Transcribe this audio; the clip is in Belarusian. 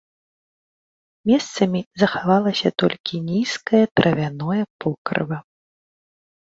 Месцамі захавалася толькі нізкае травяное покрыва.